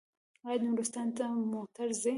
آیا نورستان ته موټر ځي؟